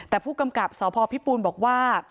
แต่ผู้กำกับสพพิปูนบอกว่า